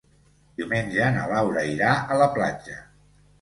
Diumenge na Laura irà a la platja.